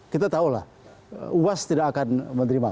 kita tahulah uas tidak akan menerima